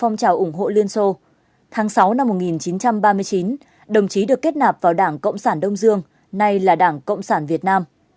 năm một nghìn chín trăm ba mươi chín đồng chí được kết nạp vào đảng cộng sản đông dương nay là đảng cộng sản việt nam